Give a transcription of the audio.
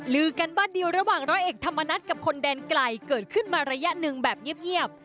ลือกันบ้านเดียวระหว่างร้อยเอกธรรมนัฐกับคนแดนไกลเกิดขึ้นมาระยะหนึ่งแบบเงียบ